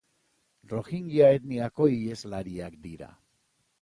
Rohingya etniako iheslariak dira.